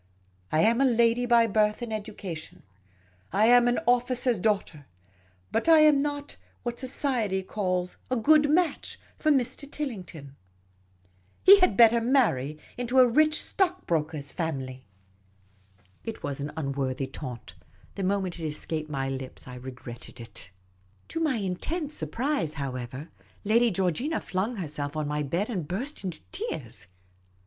I am a lady by birth and education ; I am an officer's daughter ; but I am not what society calls a * good match ' for Mr. Tilling ton. He had better marry into a rich stock broker' s family. '' It was an unworthy taunt ; the moment it escaped my lips I regretted it. Q O < s Q < O o o o H O Z O o 6o Miss Cayley's Adventures To my intense surprise, however, Lady Georgina flung herself on my bed, and burst into tears.